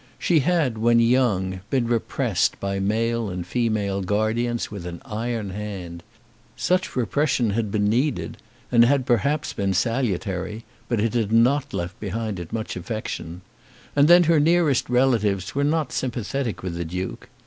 She had, when young, been repressed by male and female guardians with an iron hand. Such repression had been needed, and had been perhaps salutary, but it had not left behind it much affection. And then her nearest relatives were not sympathetic with the Duke.